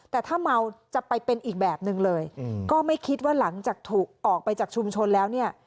แต่ถ้าเมาจะไปเป็นอีกแบบนึงเลยก็ไม่คิดว่าหลังจากถูกออกไปจากชุมชนแล้วเนี่ย